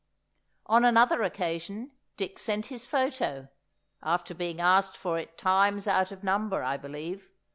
On another occasion, Dick sent his photo (after being asked for it times out of number, I believe).